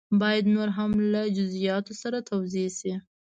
باید نور هم له جزیاتو سره توضیح شي.